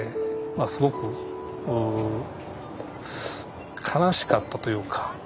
まあすごく悲しかったというか。